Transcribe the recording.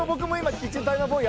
キッチンタイマーボーイ。